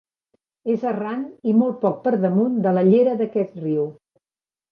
És a ran i molt poc per damunt de la llera d'aquest riu.